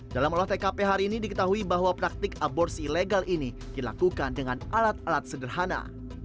dalam olah tkp hari ini diketahui bahwa praktik aborsi ilegal ini dilakukan dengan alat alat sederhana